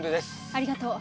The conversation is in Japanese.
ありがとう。